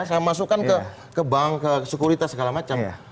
saya masukkan ke bank ke sekuritas segala macam